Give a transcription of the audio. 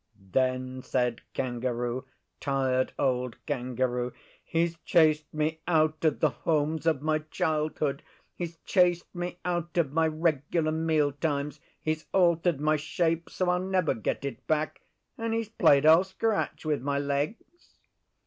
Then said Kangaroo Tired Old Kangaroo He's chased me out of the homes of my childhood; he's chased me out of my regular meal times; he's altered my shape so I'll never get it back; and he's played Old Scratch with my legs.